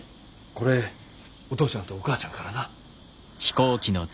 これお父ちゃんとお母ちゃんからな。